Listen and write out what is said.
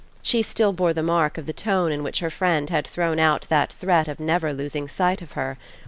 She still bore the mark of the tone in which her friend had thrown out that threat of never losing sight of her.